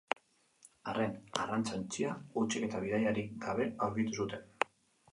Haren arrantza-ontzia hutsik eta bidaiaririk gabe aurkitu zuten.